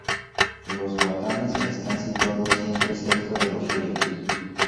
Los batanes están situados siempre cerca de los ríos.